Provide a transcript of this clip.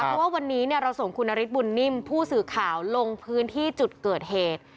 เพราะว่าวันนี้เราส่งคุณนฤทธบุญนิ่มผู้สื่อข่าวลงพื้นที่จุดเกิดเหตุ